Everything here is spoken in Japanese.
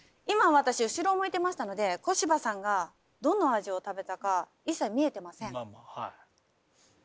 今私後ろを向いてましたので小芝さんがどの味を食べたか一切見えてません。